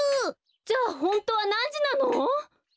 じゃあホントはなんじなの？